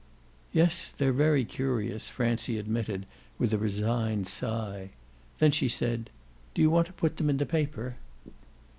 "Yes, they're very curious," Francie admitted with a resigned sigh. Then she said: "Do you want to put them in the paper?"